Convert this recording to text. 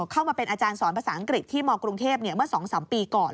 เข้ามาเป็นอาจารย์สอนภาษาอังกฤษที่มกรุงเทพเมื่อ๒๓ปีก่อน